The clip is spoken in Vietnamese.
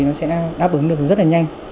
nó sẽ đáp ứng được rất là nhanh